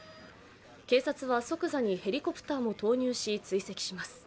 警察は即座にヘリコプターも投入し追跡します。